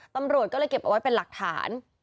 ตำรวจก็เลยเก็บเอาไว้เป็นหลักฐาน